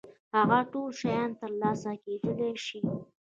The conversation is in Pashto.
هغه ټول شيان تر لاسه کېدای شي.